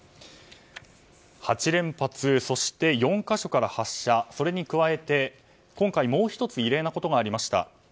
８連発、そして４か所から発射それに加えて、今回、もう１つ異例なことがありました。